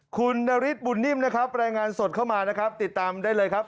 คุณนฤทธิบุญนิ่มนะครับรายงานสดเข้ามานะครับติดตามได้เลยครับ